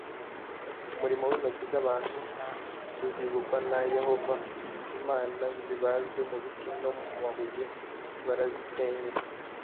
umurimo w intoki z abantu uzibukwa an yehova. imana zibajwe mu biti no mu mabuye barazisenye.